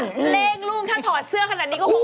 ถ้าถอดเสื้อขนาดนี้ก็คงเล่นลุ่ง